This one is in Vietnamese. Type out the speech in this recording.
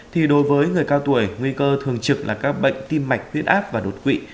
thì đối với người cao tuổi nguy cơ thường trực là các bệnh tim mạch huyết áp và đột quỵ